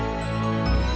tiga ayat anggaran nusantara